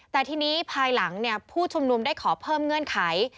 แต่ทีนี้ภายหลังผู้ชุมนุมได้ขอเพิ่มเงื่อนไข